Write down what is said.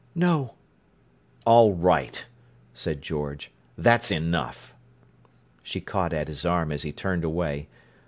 "No!" "All right," said George. "That's enough!" She caught at his arm as he turned away.